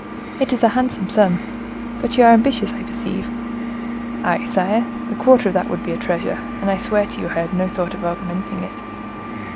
"It is a handsome sum. But you are ambitious, I perceive." "I, sire? The quarter of that would be a treasure; and I swear to you I have no thought of augmenting it."